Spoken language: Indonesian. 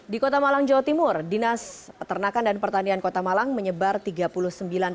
di kota malang jawa timur dinas peternakan dan pertanian kota malang menyebar tiga puluh sembilan orang